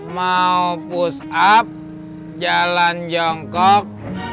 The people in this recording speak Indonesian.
mau push up jalan jongkok